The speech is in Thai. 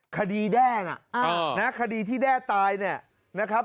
คดีแด้น่ะคดีที่แด้ตายเนี่ย